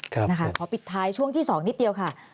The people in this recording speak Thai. ขอปิดท้ายช่วงที่๒นิดเดียวค่ะ